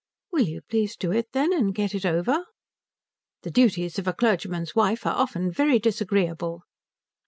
"Will you please do it, then, and get it over?" "The duties of a clergyman's wife are often very disagreeable."